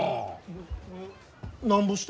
ななんぼした？